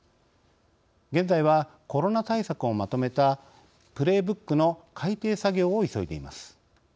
現在はコロナ対策をまとめた「プレーブック」の改定作業を急いでいます。